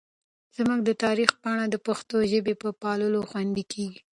زموږ د تاریخ پاڼې د پښتو ژبې په پاللو خوندي کېږي.